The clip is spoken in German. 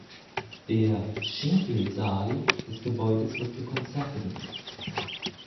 Der "Schinkel-Saal" des Gebäudes wird für Konzerte genutzt.